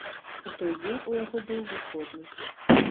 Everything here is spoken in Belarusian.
У той дзень у яго быў выходны.